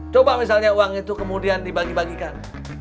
coba misalnya uang itu kemudian dibagi bagikan